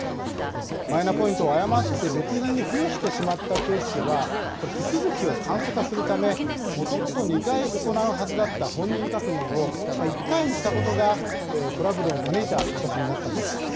マイナポイントを誤って別人に付与してしまったケースでは、これ、手続きを簡素化するため、もともと２回行うはずだった本人確認を、１回にしたことが、トラブルを招いた形になったんです。